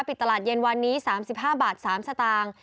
ปิดตลาดเย็นวันนี้๓๕บาท๓สตางค์